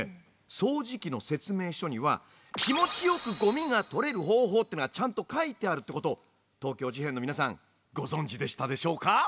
掃除機の説明書には気持ちよくゴミが取れる方法っていうのがちゃんと書いてあるってことを東京事変の皆さんご存じでしたでしょうか？